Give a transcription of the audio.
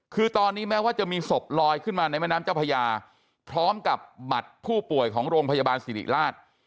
คือตอนนี้แม้ว่าจะมีศพลอยขึ้นมาในแม่น้ำเจ้าพญาพร้อมกับบัตรผู้ป่วยของโรงพยาบาลสิริราช